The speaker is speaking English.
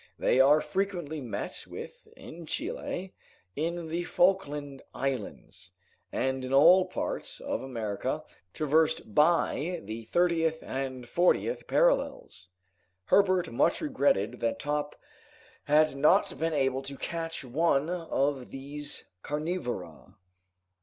They are frequently met with in Chile, in the Falkland Islands, and in all parts of America traversed by the thirtieth and fortieth parallels. Herbert much regretted that Top had not been able to catch one of these carnivora.